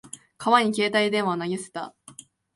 川に携帯電話を投げ捨てた。